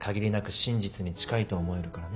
真実に近いと思えるからね。